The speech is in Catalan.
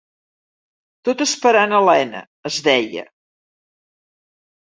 Tot esperant Elena, es deia.